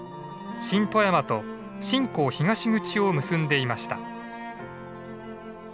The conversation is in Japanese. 新富山と新港東口を結んでいました。